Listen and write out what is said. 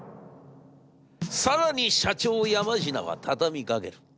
更に社長山科は畳みかける。